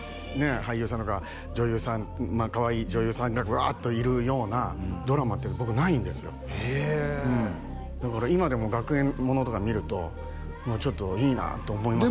俳優さんとか女優さんかわいい女優さんがバーッといるようなドラマって僕ないんですよへえだから今でも学園ものとか見るとちょっといいなと思いますよ